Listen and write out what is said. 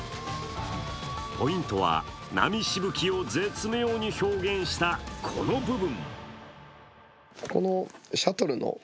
ポイントは波しぶきを絶妙に表現した、この部分。